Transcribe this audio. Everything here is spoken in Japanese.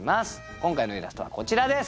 今回のイラストはこちらです。